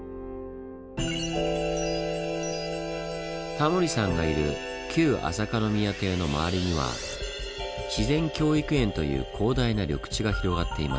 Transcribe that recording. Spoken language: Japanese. タモリさんがいる旧朝香宮邸の周りには自然教育園という広大な緑地が広がっています。